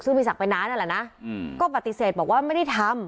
ซึ่งมีศักดิ์เป็นน้านั่นแหละนะก็ปฏิเสธบอกว่าไม่ได้ทำ